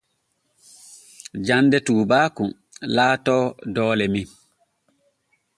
Jande tuubaaku laato doole men.